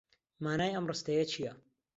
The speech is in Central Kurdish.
مانای ئەم ڕستەیە چییە؟